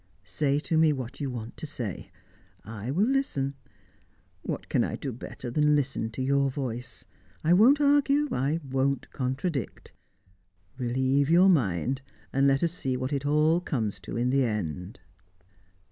Say to me what you want to say. I will listen. What can I do better than listen to your voice? I won't argue; I won't contradict. Relieve your mind, and let us see what it all comes to in the end."